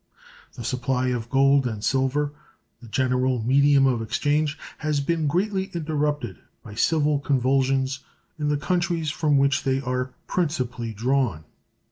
The supply of gold and silver, the general medium of exchange, has been greatly interrupted by civil convulsions in the countries from which they are principally drawn.